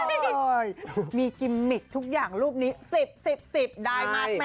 เออมีกิมมิกทุกอย่างรูปนี้๑๐๑๐๑๐ได้มา๘